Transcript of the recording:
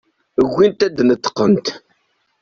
Ugint ad d-neṭqent.